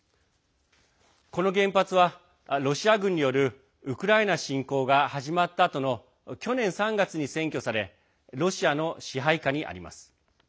この原発は、ロシア軍によるウクライナ侵攻が始まったあとの去年３月に占拠されロシアの支配下にあります。